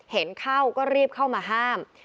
เห็นเข้าก็รีบเข้ามาห้าม